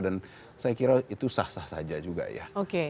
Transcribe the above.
dan saya kira itu sah sah saja juga ya